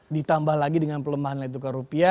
ditambah lagi dengan pelemahan nilai tukar rupiah